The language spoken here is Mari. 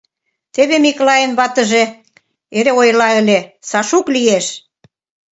Теве Миклайын ватыжат эре ойла ыле: «Сашук лиеш».